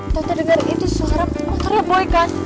tata denger itu suara motornya boy kan